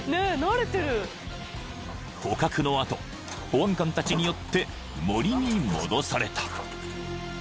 ［捕獲の後保安官たちによって森に戻された］